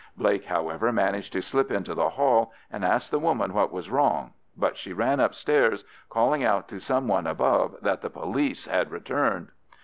Blake, however, managed to slip into the hall, and asked the woman what was wrong, but she ran upstairs, calling out to some one above that the police had returned.